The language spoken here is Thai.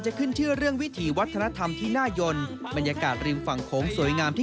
เห็นแล้วกันหลายอย่างนี้